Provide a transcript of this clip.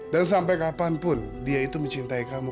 dan sampai kapanpun dia itu mencintai kamu